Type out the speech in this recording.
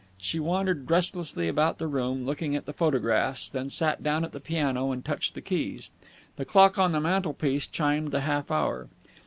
She wandered restlessly about the room, looking at the photographs, then sat down at the piano and touched the keys. The clock on the mantelpiece chimed the half hour.